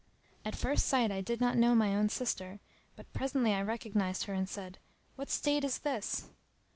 At first sight I did not know my own sister; but presently I recognised her and said "What state is this?"